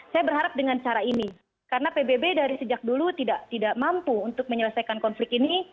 saya berharap dengan cara ini karena pbb dari sejak dulu tidak mampu untuk menyelesaikan konflik ini